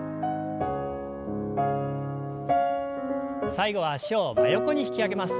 最後は脚を真横に引き上げます。